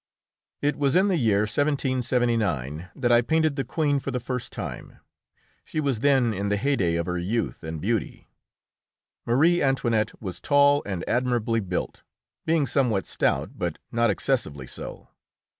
It was in the year 1779 that I painted the Queen for the first time; she was then in the heyday of her youth and beauty. Marie Antoinette was tall and admirably built, being somewhat stout, but not excessively so.